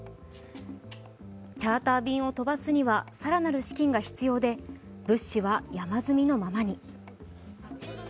チャーター便を飛ばすには更なる資金が必要で物資は山積みのままに。